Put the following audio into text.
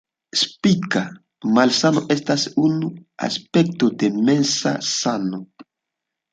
Psika malsano estas unu aspekto de mensa sano.